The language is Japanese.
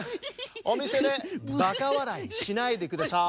おみせでバカわらいしないでください。